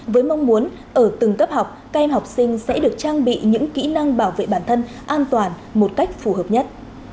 với mong muốn ở từng cấp học các em học sinh sẽ được trang bị những kỹ năng bảo vệ bản thân an toàn một cách phù hợp nhất